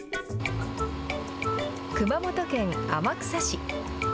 熊本県天草市。